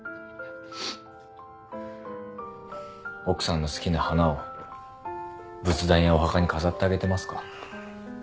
奥さんの好きな花を仏壇やお墓に飾ってあげてますか？